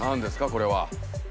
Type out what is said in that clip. これは。